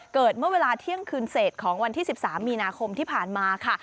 เกิดเมื่อเวลาเที่ยงคืนเศษของวันที่๑๓มีนาคมที่ผ่านมาค่ะ